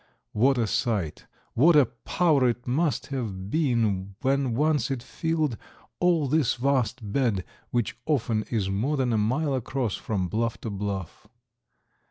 What a sight—what a power it must have been when once it filled all this vast bed, which often is more than a mile across from bluff to bluff.